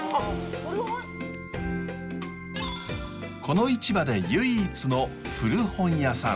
この市場で唯一の古本屋さん。